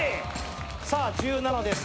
さあ１７です